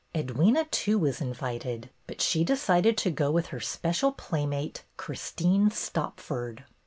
Edwyna, too, was invited, but she decided to go with her special playmate, Christine Stopford.